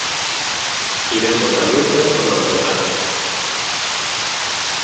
Iremos a Lourdes con autocar.